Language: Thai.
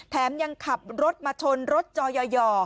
ยังขับรถมาชนรถจอย่อ